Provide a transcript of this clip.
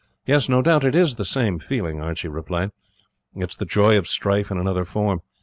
"No doubt it is the same feeling," Archie replied; "it is the joy of strife in another form.